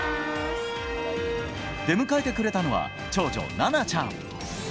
出迎えてくれたのは、長女、ななちゃん。